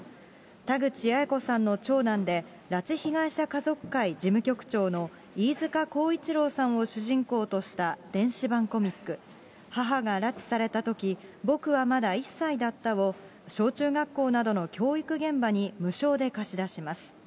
田口八重子さんの長男で、拉致被害者家族会事務局長の飯塚耕一郎さんを主人公とした電子版コミック、母が拉致されたとき僕はまだ１歳だったを小中学校などの教育現場に無償で貸し出します。